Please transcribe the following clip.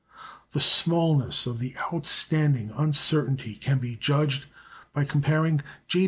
The smallness of the outstanding uncertainty can be judged of by comparing J.